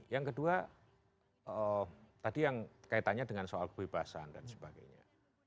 yang kedua tadi yang kaitannya dengan soal kebebasan dan sebagainya